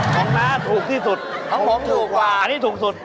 น้าถูกที่สุดของผมถูกกว่าอันนี้ถูกสุด